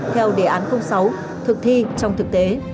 theo đề án sáu thực thi trong thực tế